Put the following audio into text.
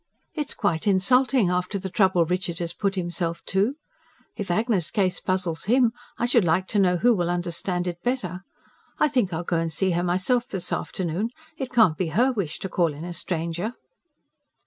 "It's quite insulting after the trouble Richard has put himself to. If Agnes's case puzzles him, I should like to know who will understand it better. I think I'll go and see her myself this afternoon. It can't be HER wish to call in a stranger."